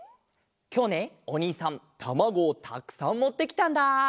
きょうねおにいさんたまごをたくさんもってきたんだ！